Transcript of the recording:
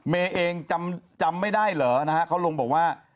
เมเองจำไม่ได้เหรอเขาลงบอกว่า